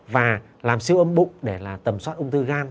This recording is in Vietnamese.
và làm siêu âm bụng để là tầm soát ung thư gan